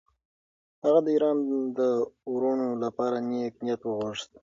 هغه د ایران د وروڼو لپاره نېک نیت وغوښت.